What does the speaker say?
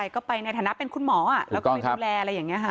ก็ไปในฐานะเป็นคุณหมอแล้วก็ไปดูแลอะไรอย่างนี้ค่ะ